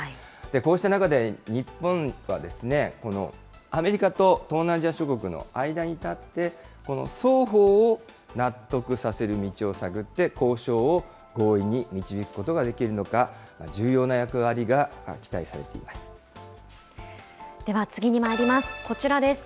こうした中で日本は、このアメリカと東南アジア諸国の間に立って、双方を納得させる道を探って、交渉を合意に導くことができるのか、では、次にまいります。